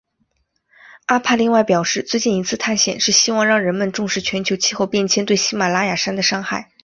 阿帕另外表示最近一次探险是希望让人们重视全球气候变迁对喜玛拉雅山的伤害。